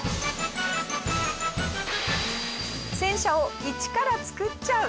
戦車を一から作っちゃう！